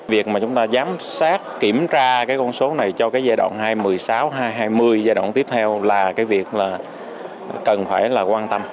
việc mà chúng ta giám sát kiểm tra cái con số này cho cái giai đoạn hai nghìn một mươi sáu hai nghìn hai mươi giai đoạn tiếp theo là cái việc là cần phải là quan tâm